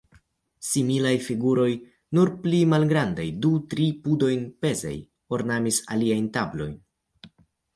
Similaj figuroj, nur pli malgrandaj, du-tri pudojn pezaj, ornamis aliajn tablojn.